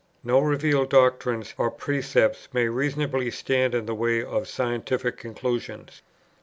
No revealed doctrines or precepts may reasonably stand in the way of scientific conclusions.